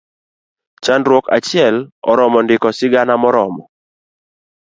Chandruok achiel oromo ndiko sigana moromo.